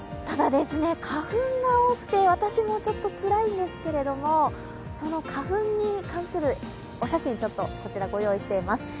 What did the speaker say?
ただ、花粉が多くて私もちょっとつらいんですけども、その花粉に関するお写真、ご用意しています。